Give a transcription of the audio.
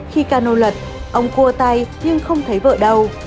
khi cano lật ông cua tay nhưng không thấy vợ đâu